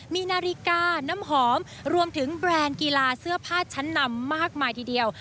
มีนาฬิกาน้ำหอมรวมถึงแบรนด์กีฬาเสื้อผ้าชั้นนำมากมายทีเดียว